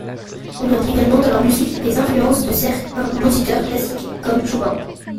On note également dans leur musique des influences de certains compositeurs classiques comme Chopin.